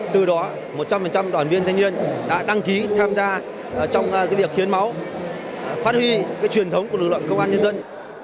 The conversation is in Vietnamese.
từ đó một trăm linh đoàn viên thanh niên đã đăng ký tham gia trong việc hiến máu phát huy truyền thống của lực lượng công an nhân dân